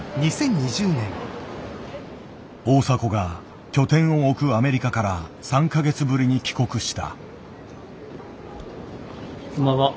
大迫が拠点を置くアメリカから３か月ぶりに帰国した。